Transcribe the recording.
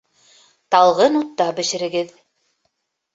Талғын утта бешерегеҙ